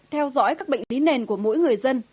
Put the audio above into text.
theo dõi các bệnh lý nền của mỗi người